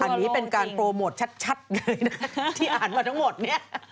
อันนี้เป็นการโปรโมทชัดเลยนะที่อ่านมาทั้งหมดเนี่ย